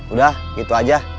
udah gitu aja